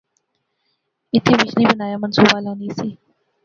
ایتھیں بجلی بنایا منصوبہ لانی سی